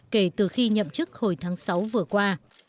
kể từ khi nhậm chức hồi tháng sáu vừa qua